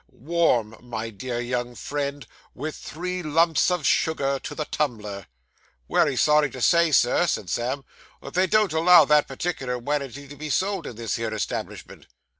Warm, my dear young friend, with three lumps of sugar to the tumbler.' 'Wery sorry to say, sir,' said Sam, 'that they don't allow that particular wanity to be sold in this here establishment.